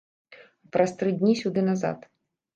А праз тры дні сюды назад!